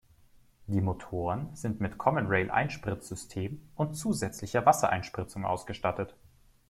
Die Motoren sind mit Common-Rail-Einspritzsystem und zusätzlicher Wassereinspritzung ausgestattet.